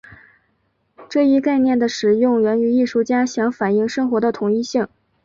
这一概念的使用源于艺术家想反映生活的统一性。